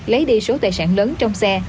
lấy đi số tài sản lớn trong xe